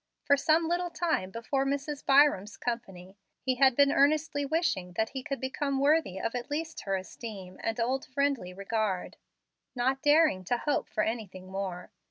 For some little time before Mrs. Byram's company, he had been earnestly wishing that he could become worthy of at least her esteem and old friendly regard, not daring to hope for anything more.